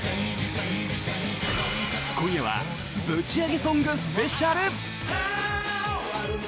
今夜はぶちアゲソングスペシャル！